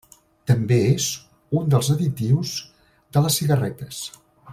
També és un dels additius de les cigarretes.